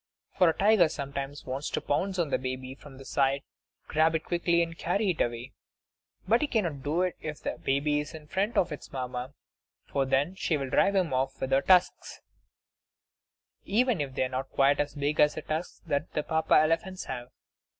For a tiger sometimes wants to pounce on the baby from the side, grab it quickly, and carry it away. But he cannot do it if the baby is right in front of its Mamma; for then she will drive him off with her tusks, even if they are not quite so big as the tusks that the Papa elephants have.